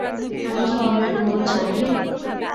আমি কি বিনয়ের মন জানি নে!